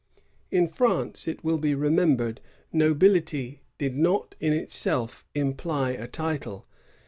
In France, it will be remembered, nobility did not in itself imply a title.